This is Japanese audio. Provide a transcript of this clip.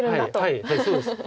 はいそうです。